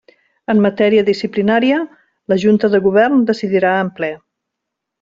En matèria disciplinària, la Junta de Govern decidirà en ple.